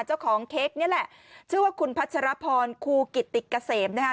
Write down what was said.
เจ้าของเค้กนี่แหละชื่อว่าคุณพัชรพรครูกิติเกษมนะคะ